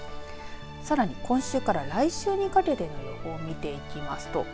さらに今週から来週にかけての予報、見ていきますと。